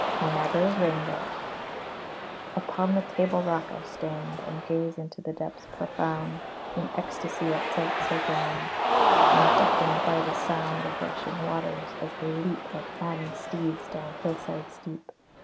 NIAGARA'S RAINBOW Upon the "table rock" I stand, And gaze into the depths profound, In ecstacy at sights so grand, And deafened by the sound Of rushing waters, as they leap Like maddened steeds, down hillside steep.